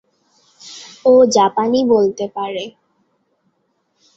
ও জাপানি বলতে পারে।